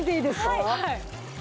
はい。